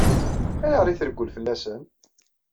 Ayɣer i treggel fell-asen?